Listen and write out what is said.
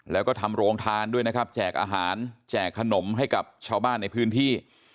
แล้วก็ทำโรงทานด้วยนะครับแจกอาหารแจกขนมให้กับชาวบ้านในพื้นที่